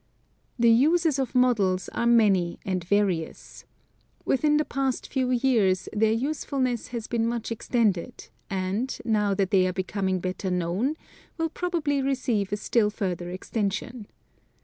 The uses of models are many and various. Within the past few years their usefulness has been much extended, and, now that they are becoming better known, will probably receive a still further extension.